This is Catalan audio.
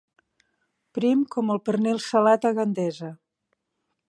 Prim com el pernil salat a Gandesa.